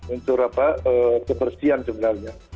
untuk apa kebersihan sebenarnya